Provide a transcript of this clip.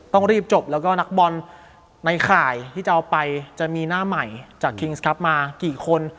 ต้องรีบจบแล้วก็นักบอลในข่ายที่จะเอาไปจะมีหน้าใหม่จากคิงส์ครับมากี่คน